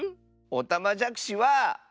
おたまじゃくしは。